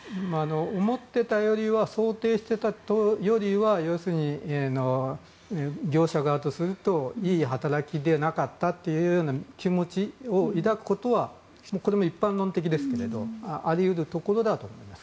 思っていたよりは想定していたよりは業者側とするといい働きでなかったという気持ちを抱くことは一般論的ですけれどあり得るところだと思います。